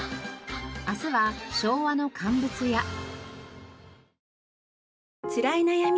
明日は昭和の乾物屋。